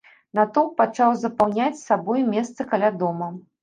Натоўп пачаў запаўняць сабой месца каля дома.